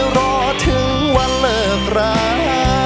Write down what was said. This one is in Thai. รอถึงวันเลิกรา